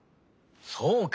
そうか。